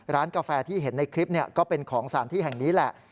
กาแฟที่เห็นในคลิปก็เป็นของสถานที่แห่งนี้แหละ